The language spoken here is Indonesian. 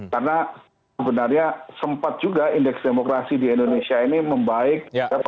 karena sebenarnya sempat juga indeks demokrasi di indonesia ini membaik